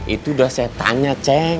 itu udah saya tanya cek